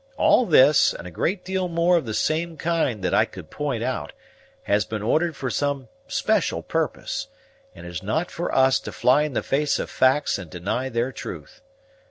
All this, and a great deal more of the same kind that I could point out, has been ordered for some special purpose; and it is not for us to fly in the face of facts and deny their truth.